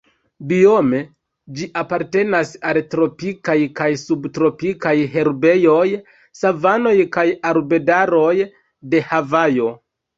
Biome ĝi apartenas al tropikaj kaj subtropikaj herbejoj, savanoj kaj arbedaroj de Havajo.